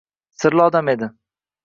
Sirli odam edi